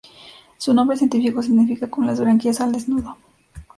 Su nombre científico significa "con las branquias al desnudo".